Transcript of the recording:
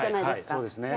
はい、そうですね。